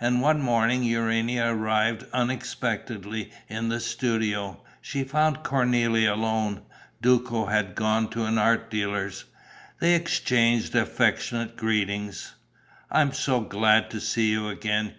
And one morning Urania arrived unexpectedly in the studio. She found Cornélie alone: Duco had gone to an art dealer's. They exchanged affectionate greetings: "I am so glad to see you again!"